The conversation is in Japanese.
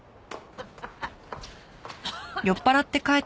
アハハハ。